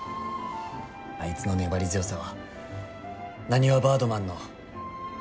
あいつの粘り強さはなにわバードマンの大事な武器です。